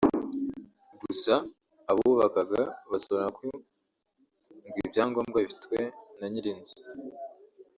gusa abubakaga basobanuraga ko ngo ibyangombwa bifitwe na nyiri inzu